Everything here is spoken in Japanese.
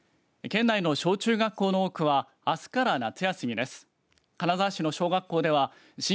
県内の小中学校の多くはあすから夏休みです。